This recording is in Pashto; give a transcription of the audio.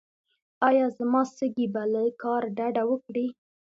ایا زما سږي به له کار ډډه وکړي؟